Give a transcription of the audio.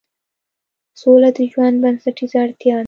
سوله د ژوند بنسټیزه اړتیا ده